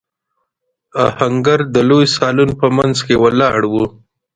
آهنګر د لوی سالون په مينځ کې ولاړ و.